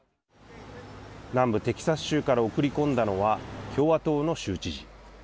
南部テキサス州から送り込んだのは共和党の州知事。